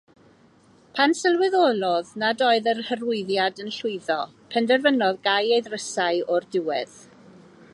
Pan sylweddolodd nad oedd yr hyrwyddiad yn llwyddo, penderfynodd gau ei ddrysau o'r diwedd.